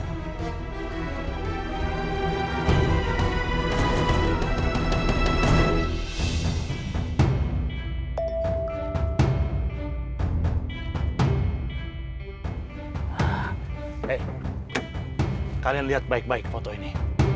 eh kalian lihat baik baik foto ini